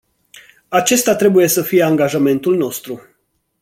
Acesta trebuie să fie angajamentul nostru.